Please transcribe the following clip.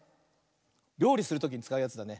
りょうりするときにつかうやつだね。